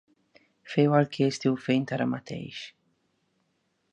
Feu el que esteu fent ara mateix.